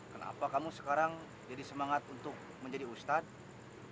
kenapa kamu sekarang jadi semangat untuk menjadi ustadz